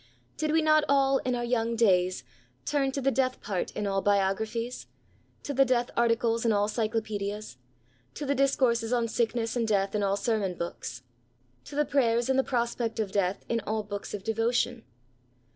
Did we not all^ in our young days^ turn to the death part in all biographies ; to the death articles in all cyclopaedias ; to the discourses on sickness and death in all sermon books ; to the prayers in the prospect of death in all books of devotion